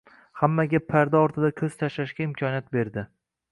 hammaga parda ortiga ko‘z tashlashga imkoniyat berdi